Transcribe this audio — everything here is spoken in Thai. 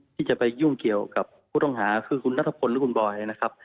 ที่จะไปยุ่งเกี่ยวกับผู้ต้องหาคือคุณนัทพลหรือคุณบอยนะครับ